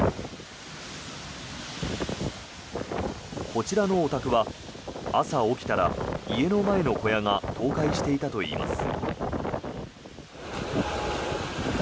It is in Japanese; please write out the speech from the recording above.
こちらのお宅は朝起きたら家の前の小屋が倒壊していたといいます。